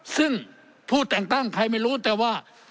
ซึ่งผู้แต่งตั้งใครไม่รู้แต่ว่า